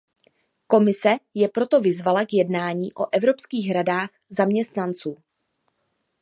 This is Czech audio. Komise je proto vyzvala k jednání o Evropských radách zaměstnanců.